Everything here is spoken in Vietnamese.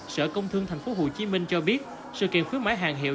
sở công thương tp hcm cho biết sự kiện khuyến mãi hàng hiệu